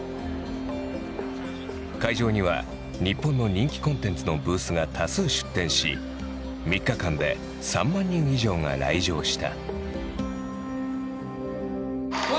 会場には日本の人気コンテンツのブースが多数出展し３日間で３万人以上が来場した。